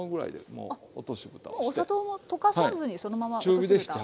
もうお砂糖も溶かさずにそのまま落としぶた。